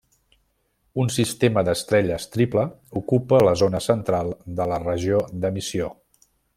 Un sistema d'estrelles triple ocupa la zona central de la regió d'emissió.